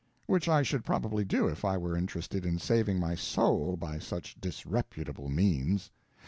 Which I should probably do if I were interested in saving my soul by such disreputable means.